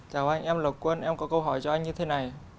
chào anh em lộc quân em có câu hỏi cho anh như thế này